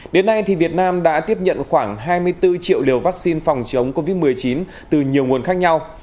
đến nay việt nam đã tiếp nhận khoảng hai mươi bốn triệu liều vaccine phòng chống covid một mươi chín từ nhiều nguồn khác nhau